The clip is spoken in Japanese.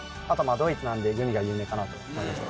ドイツなんでグミが有名かなと思いました